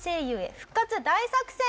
復活大作戦」。